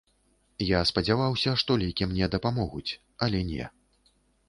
Я спадзяваўся, што лекі мне дапамогуць, але не.